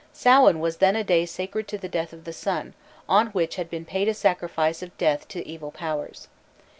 Samhain was then a day sacred to the death of the sun, on which had been paid a sacrifice of death to evil powers.